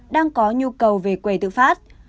đang có nhu cầu về quê tự phát